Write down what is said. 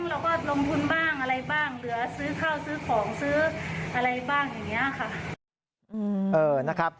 เราก็ลงทุนบ้างอะไรบ้างเหลือซื้อข้าวซื้อของซื้ออะไรบ้างอย่างนี้ค่ะ